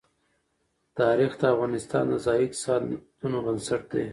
تاریخ د افغانستان د ځایي اقتصادونو بنسټ دی.